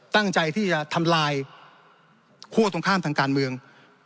ตั้งใจที่จะทำลายคั่วตรงข้ามทางการเมือง